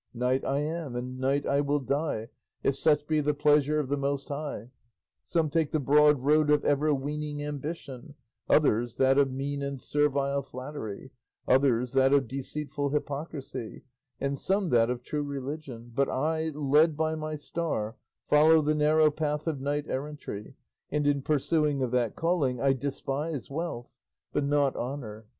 Knight I am, and knight I will die, if such be the pleasure of the Most High. Some take the broad road of overweening ambition; others that of mean and servile flattery; others that of deceitful hypocrisy, and some that of true religion; but I, led by my star, follow the narrow path of knight errantry, and in pursuit of that calling I despise wealth, but not honour.